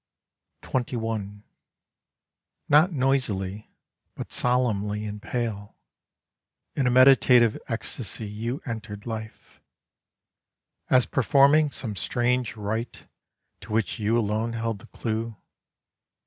XXI Not noisily, but solemnly and pale, In a meditative ecstasy you entered life: As performing some strange rite, to which you alone held the clue.